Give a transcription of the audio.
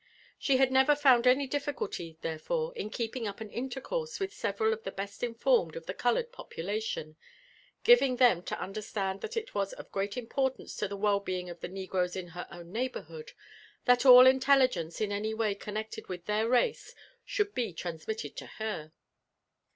She had never found any dlfficully, therefore, in keeping up an intercourse with •everal of the best informed of the coloured population, giving them to understand, that it was of great importance to the well being of <he Begroes in her own neighbourhood that all inlelligenec in any way connected with their race should be transmitted to her.